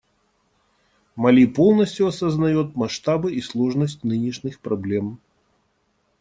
Мали полностью осознает масштабы и сложность нынешних проблем.